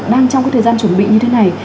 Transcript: đang trong thời gian chuẩn bị như thế này